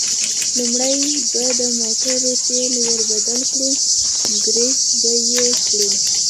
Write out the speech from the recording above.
لومړی به د موټرو تېل ور بدل کړو، ګرېس به یې کړو.